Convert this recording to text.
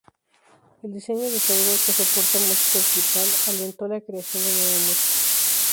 El diseño de software que soporta música digital alentó la creación de nueva música.